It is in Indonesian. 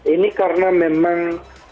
ini karena memang